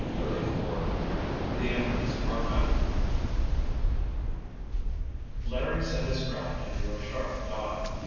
CHAPTER XXXIV THE EMERALDS ARE FOUND Larry sent his craft into a sharp dive.